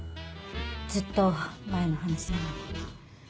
ずっと前の話なのに。